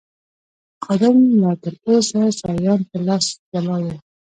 خادم لا تراوسه سایوان په لاس ولاړ و.